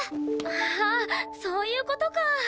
ああそういう事か！